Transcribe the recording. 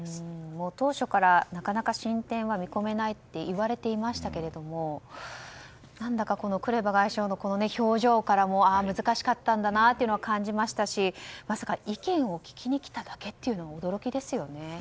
当初からなかなか進展は見込めないといわれていましたけれども何だか、クレバ外相の表情からも難しかったんだなというのを感じましたしまさか意見を聞きに来ただけというのは驚きですよね。